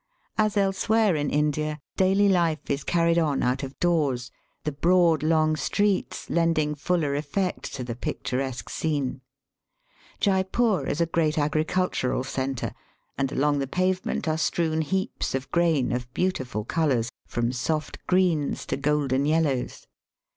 As elsewhere in India, daily life is carried on out of doors, the broad long streets lending fuller effect to the picturesque scene. Jeypore is a great agricultural centre, and along the pavement are strewn heaps of grain of beautiful colours, from soft greens to golden yellows.